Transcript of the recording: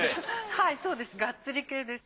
はいそうですガッツリ系です。